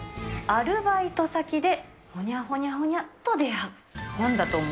アルバイト先でほにゃほにゃほにゃと出会う。